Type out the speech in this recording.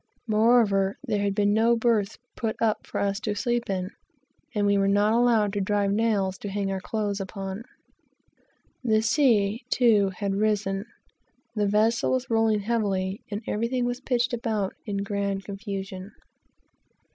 Moreover, there had been no berths built for us to sleep in, and we were not allowed to drive nails to hang our clothes upon. The sea, too, had risen, the vessel was rolling heavily, and everything was pitched about in grand confusion.